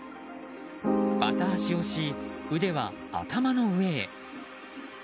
バタ足をし、腕は頭の上へ。